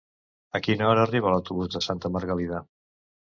A quina hora arriba l'autobús de Santa Margalida?